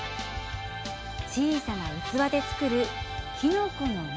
小さな器で作る、きのこの森。